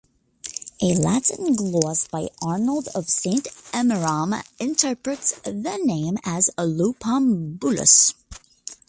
A Latin gloss by Arnold of Saint Emmeram interprets the name as "Lupambulus".